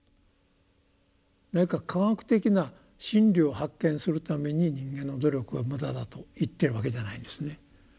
何か科学的な真理を発見するために人間の努力は無駄だと言ってるわけじゃないんですね。